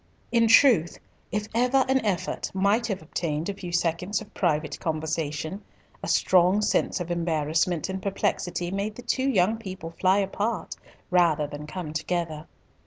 In truth, if ever an effort might have obtained a few seconds of private conversation, a strong sense of embarrassment and perplexity made the two young people fly apart rather than come together.